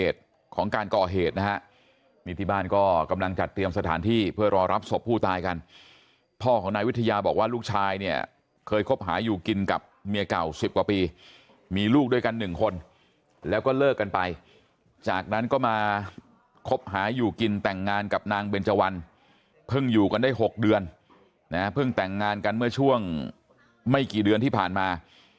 โดยกันหนึ่งคนแล้วก็เลิกกันไปจากนั้นก็มาคบหาอยู่กินแต่งงานกับนางเบญจวันเพิ่งอยู่กันได้หกเดือนนะฮะเพิ่งแต่งงานกันเมื่อช่วงไม่กี่เดือนที่ผ่านมา